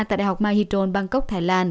tại đại học mahidol bangkok thái lan